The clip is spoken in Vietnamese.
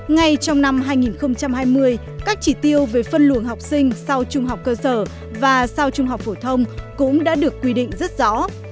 ngay trong năm hai nghìn hai mươi các chỉ tiêu về phân luồng học sinh sau trung học cơ sở và sau trung học phổ thông cũng đã được quy định rất rõ